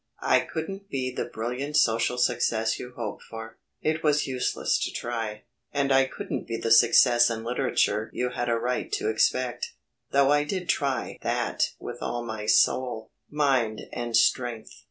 I couldn't be the brilliant social success you hoped for, it was useless to try. And I couldn't be the success in literature you had a right to expect, though I did try that with all my soul, mind and strength.